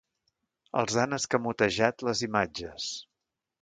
Els han escamotejat les imatges.